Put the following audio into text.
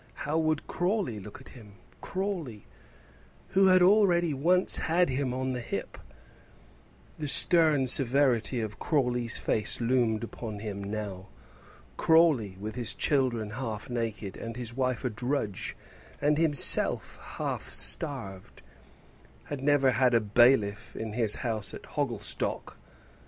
How would Crawley look at him Crawley, who had already once had him on the hip? The stern severity of Crawley's face loomed upon him now. Crawley, with his children half naked, and his wife a drudge, and himself half starved, had never had a bailiff in his house at Hogglestock!